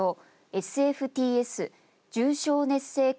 ＳＦＴＳ重症熱性血